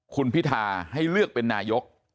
คุณพิธาให้เลือกเป็นนายก